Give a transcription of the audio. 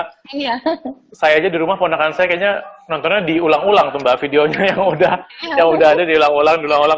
karena saya aja dirumah pondokan saya kayaknya nontonnya diulang ulang tuh mbak videonya yang udah ada diulang ulang